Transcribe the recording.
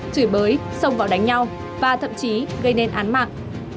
chửi bới xông vào đánh nhau và thậm chí gây nên án mạng